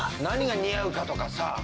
何が似合うかとかさ。